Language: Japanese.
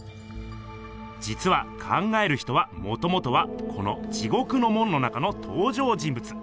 じつは「考える人」はもともとはこの「地獄の門」の中のとう場人ぶつ。